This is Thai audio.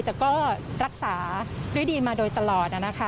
แต่ก็รักษาด้วยดีมาโดยตลอดนะคะ